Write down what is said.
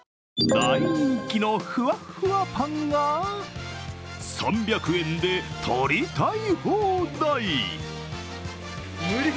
大人気のふわっふわパンが３００円で取りたい放題！